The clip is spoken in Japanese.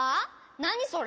なにそれ？